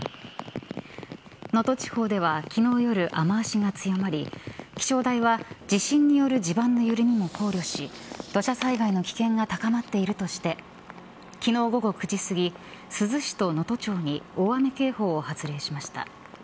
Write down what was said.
能登地方では昨日夜雨脚が強まり気象台は地震による地盤の緩みも考慮し土砂災害の危険が高まっているとして昨日午後９時すぎ珠洲市と能登町に大雨警報を発令しました。